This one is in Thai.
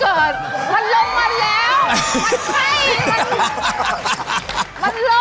มันลงมาแล้ว